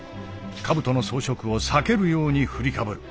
兜の装飾を避けるように振りかぶる。